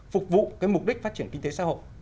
phục vụ cái mục đích phát triển kinh tế xã hội